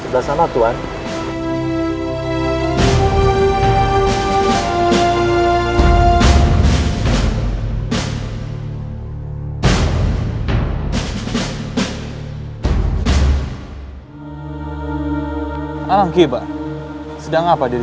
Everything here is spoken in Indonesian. di sebelah sana tuhan